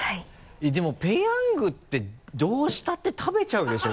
えっでも「ペヤング」ってどうしたって食べちゃうでしょ？